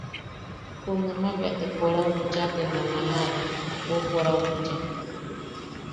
Junamaʼa bea te korau bicha te namaʼawa, bweʼu korau bicha.